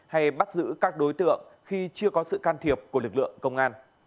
hay bắt giữ các đối tượng khi chưa có sự can thiệp của lực lượng công an